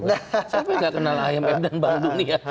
saya pun tidak kenal imf dan bank dunia